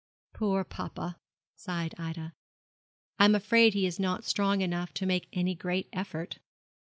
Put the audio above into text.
'Poor papa!' sighed Ida; 'I am afraid he is not strong enough to make any great effort.'